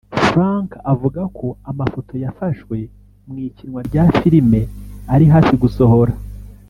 Frank avuga ko amafoto yafashwe mu ikinwa rya Film ari hafi gusohora